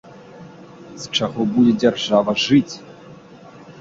З чаго будзе дзяржава жыць?